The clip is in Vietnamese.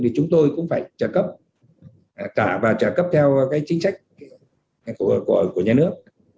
thì chúng tôi cũng phải trả cấp trả và trả cấp theo chính sách của nhà nước